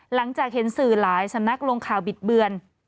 หลังจากเห็นสื่อหลายสำนักลงข่าวบิดเบือน